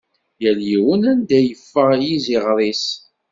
Yal yiwen anda it-yeffeɣ yiziɣer-is.